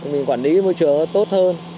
mình quản lý cái môi trường đó tốt hơn